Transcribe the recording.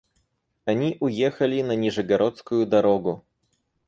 Они уехали на Нижегородскую дорогу.